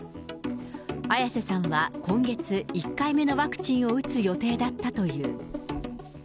綾瀬さんは今月、１回目のワクチンを打つ予定だったという。